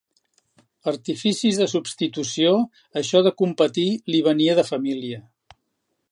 Artificis de substitució això de competir li venia de família.